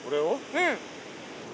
うん。